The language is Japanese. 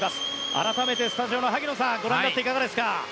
改めてスタジオの萩野さんご覧になっていかがですか。